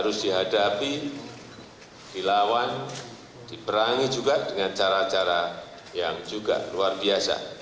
harus dihadapi dilawan diperangi juga dengan cara cara yang juga luar biasa